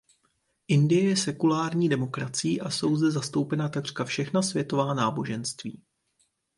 Indie je sekulární demokracií a jsou zde zastoupena takřka všechna světová náboženství.